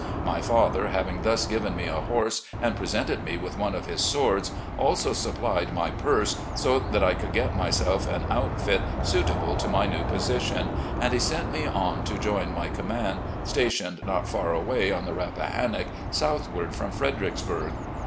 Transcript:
My father having thus given me a horse and presented me with one of his swords, also supplied my purse so that I could get myself an outfit suitable to my new position, and he sent me on to join my command, stationed not far away on the Rappahannock, southward from Fredericksburg.